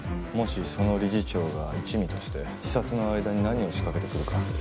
もしその理事長が一味として視察の間に何を仕掛けてくるか。